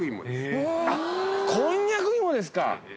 こんにゃく芋ですか！